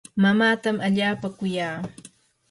mamaatami allaapa kuya.